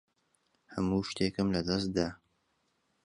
هەموو شتێکم لەدەست دا.